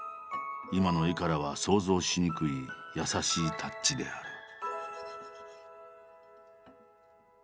今の絵からは想像しにくい優しいタッチである。